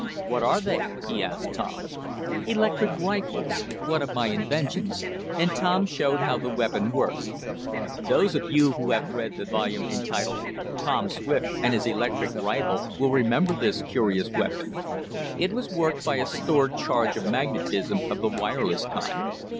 "What are they?" he asked Tom. "Electric rifles. One of my inventions," and Tom showed how the weapon worked. Those of you who have read the volume entitled, "Tom Swift and His Electric Rifle" will remember this curious weapon. It was worked by a stored charge of magnetism of the wireless kind.